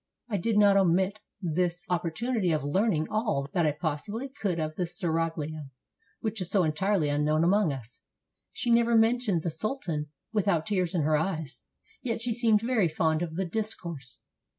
I did not omit this op portunity of learning all that I possibly could of the seraglio, which is so entirely unknown among us. She never mentioned the sultan without tears in her eyes, yet she seemed very fond of the discourse.